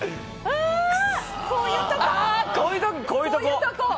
こういうところ。